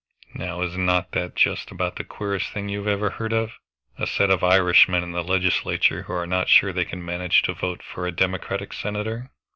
Now is not that just about the queerest thing you ever heard of? A set of Irishmen in the Legislature who are not sure they can manage to vote for a Democratic senator?"